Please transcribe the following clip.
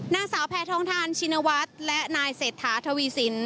นางสาวแพทองทานชินวัฒน์และนายเศรษฐาทวีสิน